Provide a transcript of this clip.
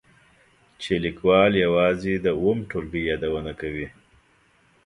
چې لیکوال یوازې د اووم ټولګي یادونه کوي.